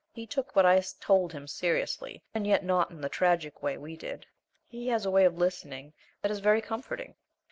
He took what I told him seriously, and yet not in the tragic way we did. He has a way of listening that is very comforting.